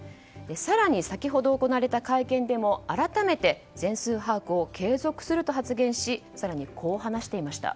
更に、先ほど行われた会見でも改めて全数把握を継続すると発言し更に、こう話していました。